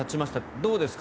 どうですか？